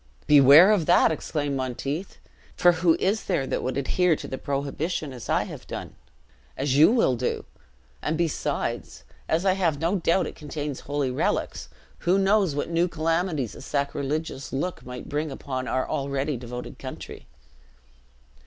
"Beware of that!" exclaimed Monteith; "for who is there that would adhere to the prohibition as I have done as you will do? and besides, as I have no doubt it contains holy relics, who knows what new calamities a sacrilegious look might bring upon our already devoted country?"